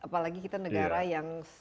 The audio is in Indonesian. sepuluh perak yang dikumpulkan